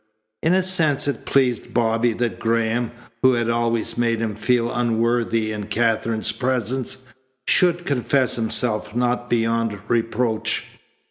In a sense it pleased Bobby that Graham, who had always made him feel unworthy in Katherine's presence, should confess himself not beyond reproach.